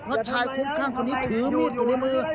เพราะชายคุ้มข้างคนนี้ถือมีดอยู่ในมือ